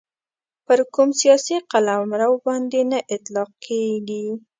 پر کوم سیاسي قلمرو باندي نه اطلاقیږي.